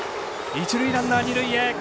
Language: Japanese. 一塁ランナー、二塁へ。